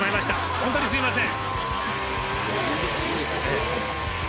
本当にすみません。